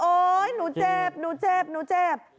โอ้ยหนูเจ็บ